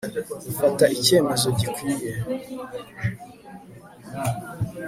fata icyemezo gikwiye